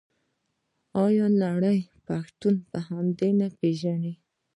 آیا نړۍ پښتون په همدې نه پیژني؟